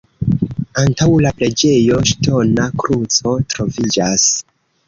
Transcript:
Antaŭ la preĝejo ŝtona kruco troviĝas.